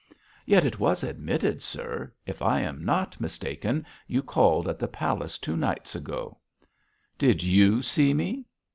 'Yet it was admitted, sir. If I am not mistaken you called at the palace two nights ago.' 'Did you see me?'